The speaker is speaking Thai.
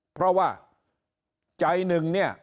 เพราะว่าใจหนึ่งเนี่ย